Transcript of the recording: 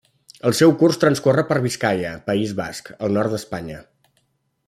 El seu curs transcorre per Biscaia, País Basc, al nord d'Espanya.